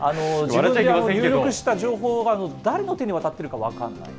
自分の入力した情報が誰の手に渡ってるか分からない。